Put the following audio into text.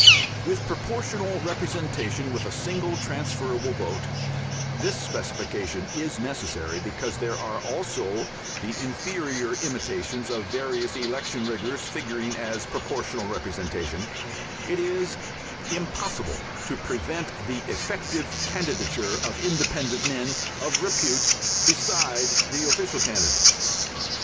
With Proportional Representation with a single transferable vote (this specification is necessary, because there are also the inferior imitations of various election riggers figuring as proportional representation), it is impossible to prevent the effective candidature of independent men of repute beside the official candidates.